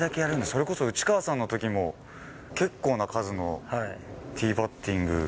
それこそ内川さんのときも、結構な数のティーバッティング。